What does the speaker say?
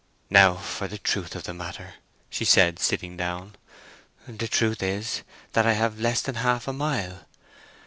"Now for the truth of the matter," she said, sitting down. "The truth is, that I have less than half a mile."